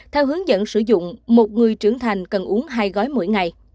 theo hướng dẫn sử dụng một người trưởng thành cần uống hai gói mỗi ngày